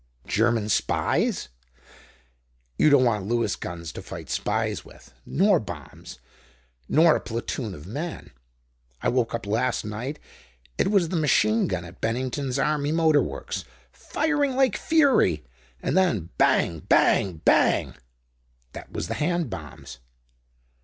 "German spies?" "You don't want Lewis guns to fight spies with. Nor bombs. Nor a platoon of men. I woke up last night. It was the machine gun at Benington's Army Motor Works. Firing like fury. And then bang! bang! bang! That was the hand bombs."